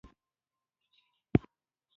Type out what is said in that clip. زه بو توسې ته سندرې ويايم.